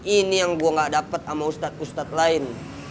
ini yang gue gak dapet sama ustad ustad lain